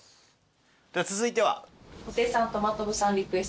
続いては？